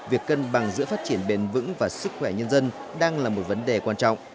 việc cân bằng giữa phát triển bền vững và sức khỏe nhân dân đang là một vấn đề quan trọng